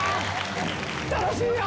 楽しいよ！